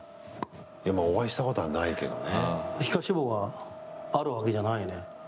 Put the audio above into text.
お会いしたことはないけどね。